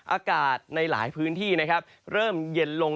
อากาศในหลายพื้นที่เริ่มเย็นลง